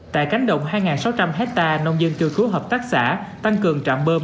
tại cánh đồng hai sáu trăm linh hecta nông dân cơ cứu hợp tác xã tăng cường trạm bơm